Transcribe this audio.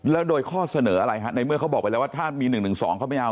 แล้วโดยข้อเสนออะไรฮะในเมื่อเขาบอกไปแล้วว่าถ้ามี๑๑๒เขาไม่เอา